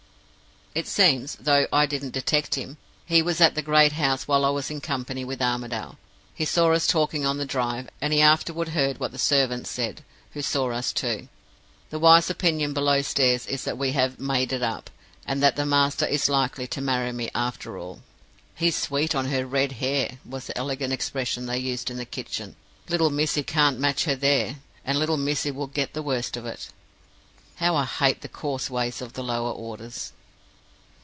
"It seems (though I didn't detect him) that he was at the great house while I was in company with Armadale. He saw us talking on the drive, and he afterward heard what the servants said, who saw us too. The wise opinion below stairs is that we have 'made it up,' and that the master is likely to marry me after all. 'He's sweet on her red hair,' was the elegant expression they used in the kitchen. 'Little missie can't match her there; and little missie will get the worst of it.' How I hate the coarse ways of the lower orders!